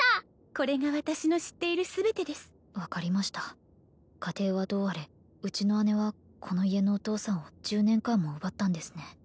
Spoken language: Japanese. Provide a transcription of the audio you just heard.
これが私の知っている全てです分かりました過程はどうあれうちの義姉はこの家のお父さんを１０年間も奪ったんですね